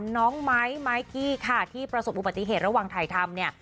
น้องไม้ไม้กี้ค่ะที่ประสบอุบัติเหตุระหว่างถ่ายทำเนี่ย